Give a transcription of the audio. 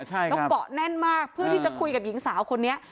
แล้วเกาะแน่นมากเพื่อที่จะคุยกับหญิงสาวคนนี้